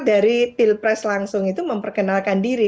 jadi pil pres langsung itu memperkenalkan diri